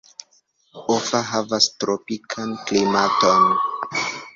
Offa havas tropikan klimaton.